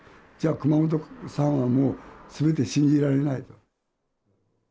じゃあ熊本産はもう、すべて信じられないと。